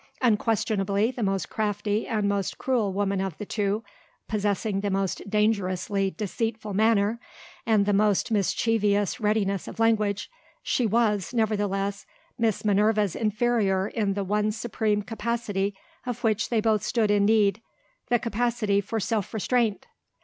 Unquestionably the most crafty and most cruel woman of the two possessing the most dangerously deceitful manner, and the most mischievous readiness of language she was, nevertheless, Miss Minerva's inferior in the one supreme capacity of which they both stood in need, the capacity for self restraint.